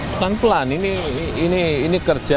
pelan pelan ini ini kerja